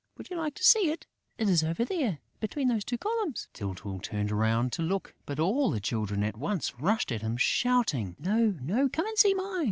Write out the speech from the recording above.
Would you like to see it?... It is over there, between those two columns...." Tyltyl turned round to look; but all the Children at once rushed at him, shouting: "No, no, come and see mine!..."